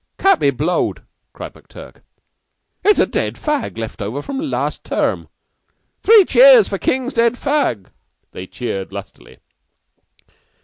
"Cat be blowed!" cried McTurk. "It's a dead fag left over from last term. Three cheers for King's dead fag!" They cheered lustily.